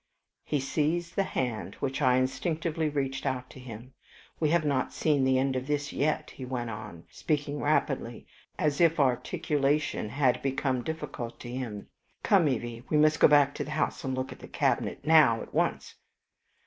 He seized the hand which I instinctively reached out to him. "We have not seen the end of this yet," he went on, speaking rapidly, and as if articulation had become difficult to him. "Come, Evie, we must go back to the house and look at the cabinet now, at once."